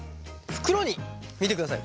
袋に見てください。